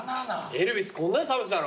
エルヴィスこんなの食べてたの？